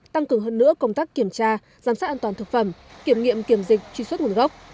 tăng cường hơn nữa công tác kiểm tra giám sát an toàn thực phẩm kiểm nghiệm kiểm dịch truy xuất nguồn gốc